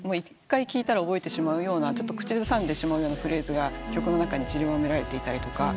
１回聴いたら覚えてしまうような口ずさんでしまうようなフレーズが曲の中にちりばめられていたり。